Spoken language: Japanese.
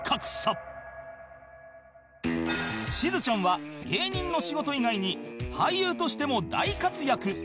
しずちゃんは芸人の仕事以外に俳優としても大活躍